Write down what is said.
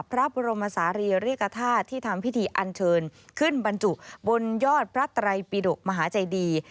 พระบรมศาลีริกฐาตุที่ทำพิธีอันเชิญขึ้นบรรจุดนอดพระไตรปิดกมหาเจดี